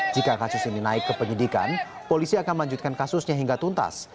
jika kasus ini naik ke penyidikan polisi akan melanjutkan kasusnya hingga tuntas